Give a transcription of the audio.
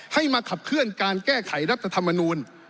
ให้มาขับเคลื่อนการแก้ไขรัฐธรรมนูล